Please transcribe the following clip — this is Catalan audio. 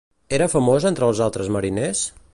Era famós entre els altres mariners?